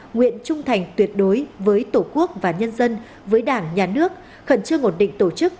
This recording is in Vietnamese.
nguyện trung thành tuyệt đối với tổ quốc và nhân dân với đảng nhà nước khẩn trương ổn định tổ chức